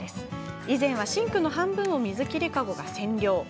以前は、シンクの半分を水切り籠が占領。